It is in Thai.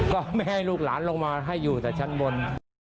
ก็ไม่ให้ลูกหลานลงมาให้อยู่แต่ชั้นบน